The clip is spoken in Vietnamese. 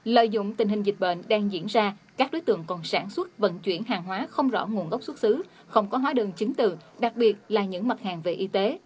lợi dụng tình hình dịch bệnh đang diễn ra các đối tượng còn sản xuất vận chuyển hàng hóa không rõ nguồn gốc xuất xứ không có hóa đơn chứng từ đặc biệt là những mặt hàng về y tế